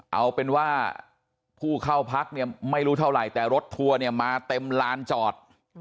เอาเป็นว่าผู้เข้าพักเนี่ยไม่รู้เท่าไหร่แต่รถทัวร์เนี่ยมาเต็มลานจอด